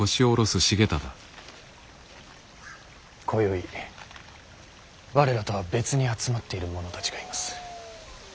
今宵我らとは別に集まっている者たちがいます。